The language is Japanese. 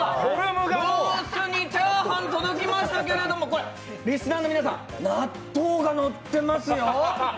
ブースにチャーハン届きましたけども、リスナーの皆さん、納豆がのってますよ。